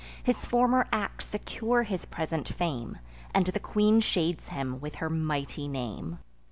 His former acts secure his present fame, And the queen shades him with her mighty name.